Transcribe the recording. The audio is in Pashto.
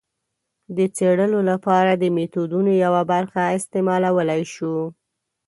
د څېړلو لپاره د میتودونو یوه برخه استعمالولای شو.